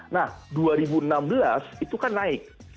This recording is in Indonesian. nah dua ribu enam belas itu kan naik